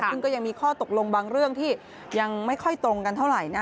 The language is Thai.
ซึ่งก็ยังมีข้อตกลงบางเรื่องที่ยังไม่ค่อยตรงกันเท่าไหร่นะ